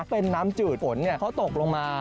เป็นน้ำจืดฝนเขาตกลงมา